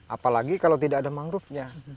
apalagi kalau tidak ada mangrovenya